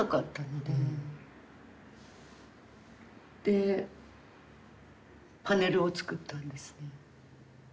でパネルを作ったんですね。